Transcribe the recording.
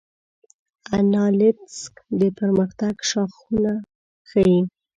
انالیتکس د پرمختګ شاخصونه ښيي.